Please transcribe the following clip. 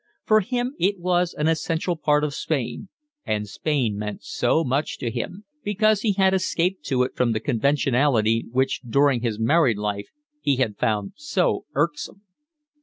For him it was an essential part of Spain; and Spain meant much to him, because he had escaped to it from the conventionality which during his married life he had found so irksome.